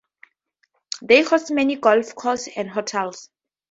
They host many golf course and hotels.